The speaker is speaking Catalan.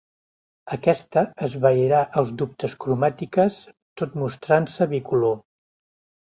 Aquesta esvairà els dubtes cromàtiques tot mostrant-se bicolor.